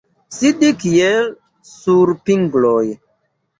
Sidi kiel sur pingloj.